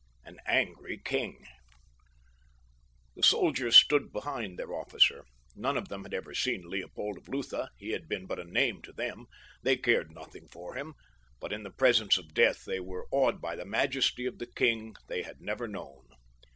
AN ANGRY KING The soldiers stood behind their officer. None of them had ever seen Leopold of Lutha—he had been but a name to them—they cared nothing for him; but in the presence of death they were awed by the majesty of the king they had never known.